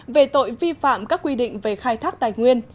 về tội vi phạm các quy định về khai thác tài nguyên